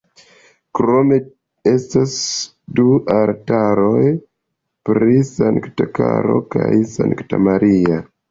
Krome estas du altaroj pri Sankta Koro kaj Sankta Maria.